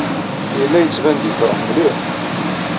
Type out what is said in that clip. Yella yettban-d yefṛeḥ mliḥ.